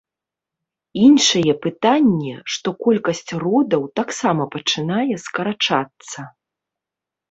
Іншае пытанне, што колькасць родаў таксама пачынае скарачацца.